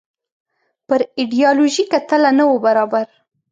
پر ایډیالوژیکه تله نه وو برابر.